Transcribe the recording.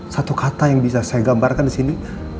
satu kata yang bisa saya gambarkan di sini